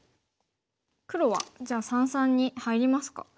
黒はじゃあ三々に入りますか。